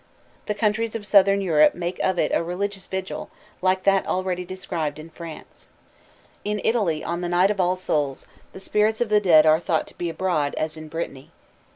The countries of southern Europe make of it a religious vigil, like that already described in France. In Italy on the night of All Souls', the spirits of the dead are thought to be abroad, as in Brittany.